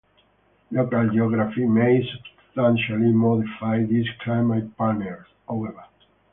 Local geography may substantially modify these climate patterns, however.